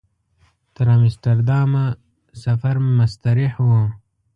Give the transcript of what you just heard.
تر امسټرډامه سفر مستریح و.